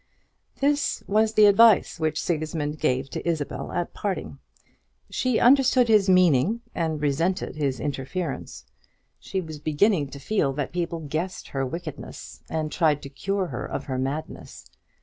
This was the advice which Sigismund gave to Isabel at parting. She understood his meaning, and resented his interference. She was beginning to feel that people guessed her wickedness, and tried to cure her of her madness.